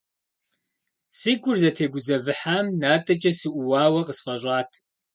Си гур зытегузэвыхьам натӏэкӏэ сыӀууауэ къысфӏэщӏат.